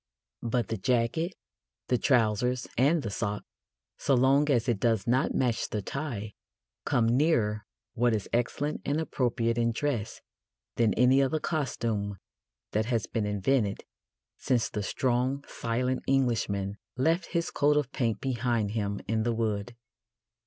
But the jacket, the trousers, and the sock so long as it does not match the tie come nearer what is excellent and appropriate in dress than any other costume that has been invented since the strong silent Englishman left his coat of paint behind him in the wood.